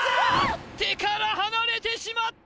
手から離れてしまった！